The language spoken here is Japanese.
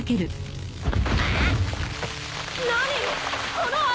この穴！